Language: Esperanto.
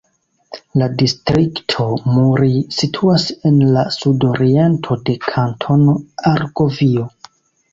La distrikto Muri situas en la sudoriento de Kantono Argovio.